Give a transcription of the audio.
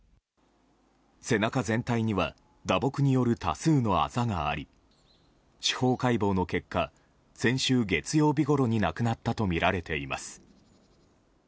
背中全体には打撲による多数のあざがあり司法解剖の結果、先週月曜日ごろ亡くなったとみられています。